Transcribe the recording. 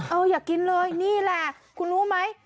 อยากกินเลยนี่แหละคุณรู้ไหม